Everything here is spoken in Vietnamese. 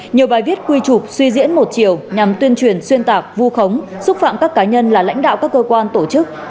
nhiều bài viết quy trục suy diễn một chiều nhằm tuyên truyền xuyên tạc vu khống xúc phạm các cá nhân là lãnh đạo các cơ quan tổ chức